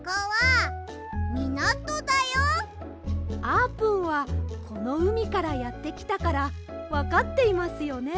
あーぷんはこのうみからやってきたからわかっていますよね？